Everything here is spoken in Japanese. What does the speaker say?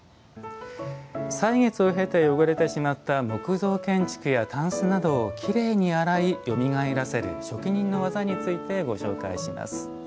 歳月を経て汚れてしまった木造建築やたんすなどをきれいに洗いよみがえらせる職人のわざについてご紹介します。